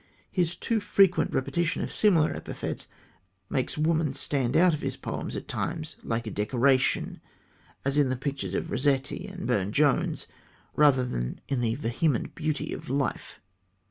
His too frequent repetition of similar epithets makes woman stand out of his poems at times like a decoration, as in the pictures of Rossetti and Burne Jones, rather than in the vehement beauty of life.